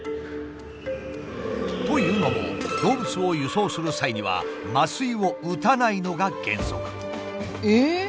というのも動物を輸送する際には麻酔を打たないのが原則。